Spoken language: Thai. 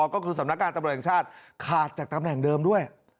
ก็คือสำนักงานตำรวจแห่งชาติขาดจากตำแหน่งเดิมด้วย